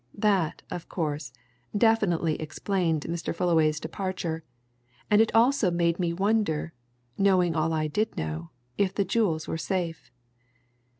That, of course, definitely explained Mr. Fullaway's departure, and it also made me wonder, knowing all I did know, if the jewels were safe.